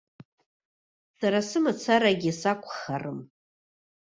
Сара сымацарагьы сакәхарым.